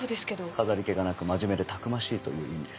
飾り気がなく真面目でたくましいという意味です。